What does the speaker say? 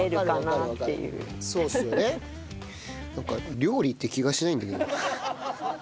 なんか料理って気がしないんだけど。